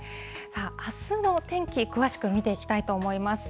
あすの天気、詳しく見ていきたいと思います。